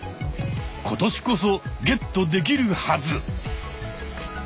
今年こそゲットできるはず。